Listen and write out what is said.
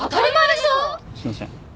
すいません